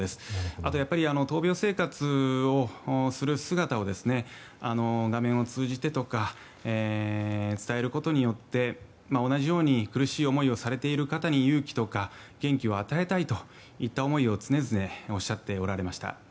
あと、やっぱり闘病生活をする姿を画面を通じて伝えることによって同じように苦しい思いをされている方に勇気とか元気を与えたいといった思いを常々おっしゃっておられました。